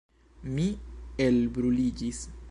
Mi elbruliĝis.